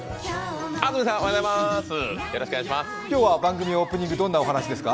今日は番組オープニング、どんなお話ですか？